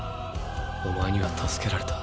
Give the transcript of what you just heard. お前には助けられた。